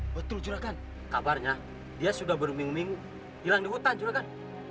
betul juragan kabarnya dia sudah berminggu minggu hilang di hutan juragan